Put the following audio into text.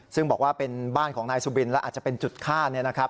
ซึ่งบอกว่าเป็นบ้านของนายสุบินและอาจจะเป็นจุดฆ่าเนี่ยนะครับ